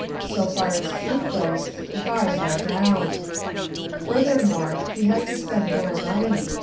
So far as truth goes, the bars are down. Furthermore, he has to spend more money.